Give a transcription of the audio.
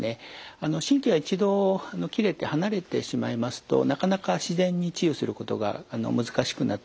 神経は一度切れて離れてしまいますとなかなか自然に治癒することが難しくなってまいります。